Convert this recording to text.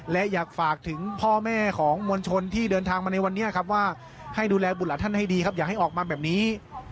และอยากฝากถึงพ่อแม่ของมวลชนที่เดินทางมาในวันนี้ครับว่าให้ดูแลบุตรหลานท่านให้ดีครับอยากให้ออกมาแบบนี้